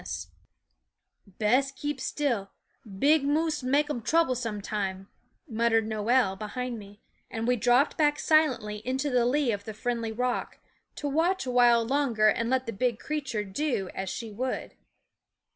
259 SCHOOL OF 260 " Bes' keep still ; big moose make um trouble sometime," muttered Noel behind me; and we dropped back silently into the lee of the friendly rock, to watch awhile longer and let the big creature do as she would.